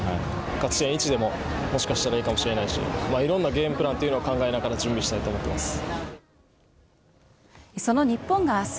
勝ち点１でももしかしたらいいかもしれないし、いろんなゲームプランというのを考えながら準備したいと思っています。